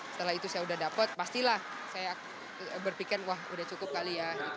setelah itu saya sudah dapat pastilah saya berpikir wah udah cukup kali ya